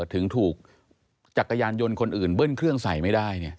ถึงถูกจักรยานยนต์คนอื่นเบิ้ลเครื่องใส่ไม่ได้